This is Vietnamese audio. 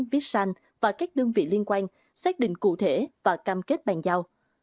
vitsan và các đơn vị liên quan xác định cụ thể và cam kết bàn giao